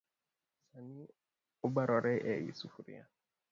San obarore e i sufria